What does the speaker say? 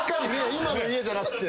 今の家じゃなくて。